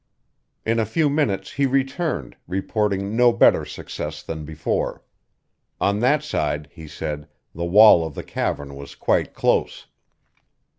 In a few minutes he returned, reporting no better success than before. On that side, he said, the wall of the cavern was quite close.